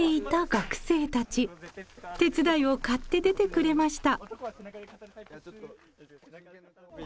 手伝いをかって出てくれました。